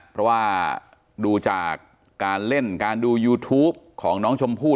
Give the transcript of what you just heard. เพราะว่าดูจากการเล่นการดูยูทูปของน้องชมพู่